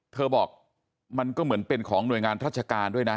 บอกมันก็เหมือนเป็นของหน่วยงานราชการด้วยนะ